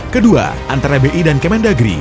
kedua antara bi dan kemendagri